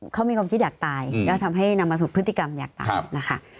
เขามีความคิดอยากตายแล้วทำให้นำมาสู่พฤติกรรมอยากตายนะคะ